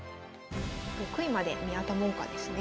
６位まで宮田門下ですね。